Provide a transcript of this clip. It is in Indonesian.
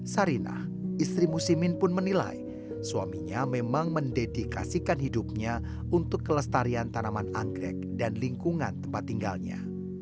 sarinah istri musimin pun menilai suaminya memang mendedikasikan hidupnya untuk kelestarian tanaman anggrek dan lingkungan tempat tinggalnya